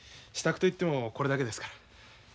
支度といってもこれだけですから。